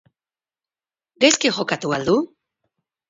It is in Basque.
Gaizki jokatu al du?